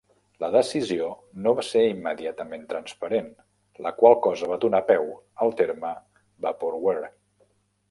La decisió no va ser immediatament transparent, la qual cosa va donar peu al terme vaporware.